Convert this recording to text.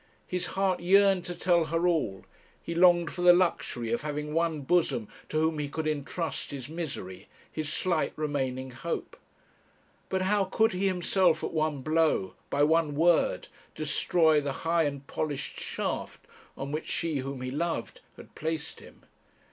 His heart yearned to tell her all; he longed for the luxury of having one bosom to whom he could entrust his misery, his slight remaining hope. But how could he himself, at one blow, by one word, destroy the high and polished shaft on which she whom he loved had placed him?